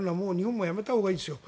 もうやめたほうがいいですよ。